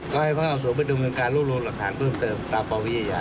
ก็ให้เวลาสูงเป็นดวงเงินการรู้หลวงหลักฐานเพิ่มเติมประวัติวิทยา